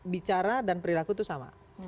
bicara dan perilaku itu sama